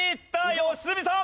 良純さん！